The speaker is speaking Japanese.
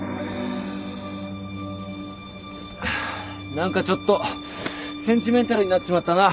何かちょっとセンチメンタルになっちまったな。